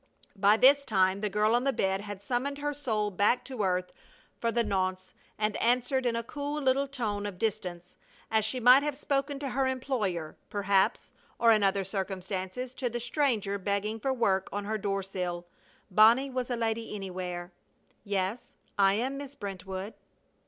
By this time the girl on the bed had summoned her soul back to earth for the nonce, and answered in a cool, little tone of distance, as she might have spoken to her employer, perhaps; or, in other circumstances, to the stranger begging for work on her door sill Bonnie was a lady anywhere "Yes, I am Miss Brentwood."